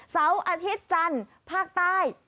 เสาร์อาทิตย์จันทร์ภาคใต้